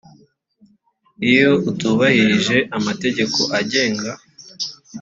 iyo atubahirije amategeko agenga